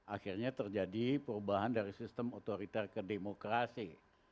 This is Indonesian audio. akhirnya terjadi perubahan dari sistem otoriter ke demokrasi